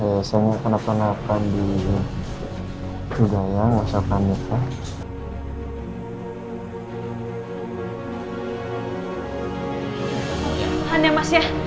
biasanya kena penerbangan di budaya masyarakatnya